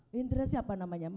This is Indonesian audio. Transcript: hendra siapa namanya